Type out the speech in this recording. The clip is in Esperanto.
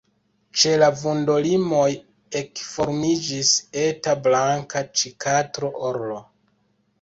Ĉe la vundolimoj ekformiĝis eta blanka cikatro-orlo.